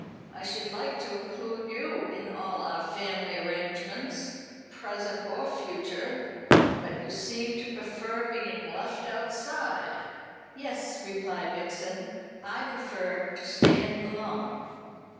I should like to include you in all our family arrangements, present or future; but you seem to prefer being left outside." "Yes," replied Vixen, "I prefer to stand alone."